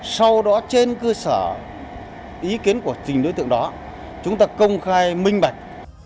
sau đó trên cơ sở ý kiến của từng đối tượng đó chúng ta công khai minh bạch